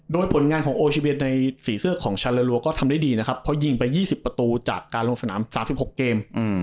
โดยผลงานของโอชิเวียนในสีเสื้อของชาลารัวก็ทำได้ดีนะครับเพราะยิงไป๒๐ประตูจากการลงสนาม๓๖เกม